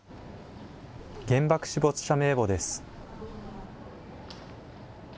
原爆死没者名簿です。